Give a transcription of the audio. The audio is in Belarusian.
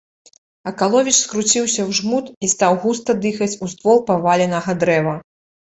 Акаловіч скруціўся ў жмут і стаў густа дыхаць у ствол паваленага дрэва.